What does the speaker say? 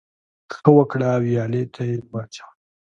ـ ښه وکړه ، ويالې ته يې واچوه.